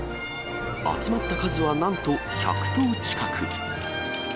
集まった数は、なんと１００頭近く。